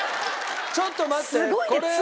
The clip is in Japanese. ちょっと待ってこれは。